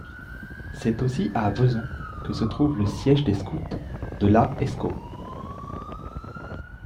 C'est aussi à Vezon que se trouve le siège des scouts de la Escaut.